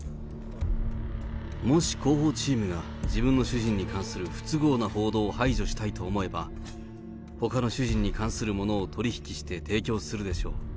もし広報チームが自分の主人に関する不都合な報道を排除したいと思えば、ほかの主人に関するものを取り引きして提供するでしょう。